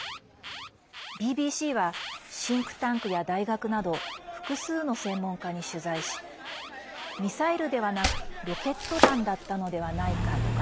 ＢＢＣはシンクタンクや大学など複数の専門家に取材しミサイルではなくロケット弾だったのでないかとか